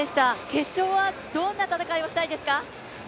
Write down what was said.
決勝はどんな戦いをしたいですか？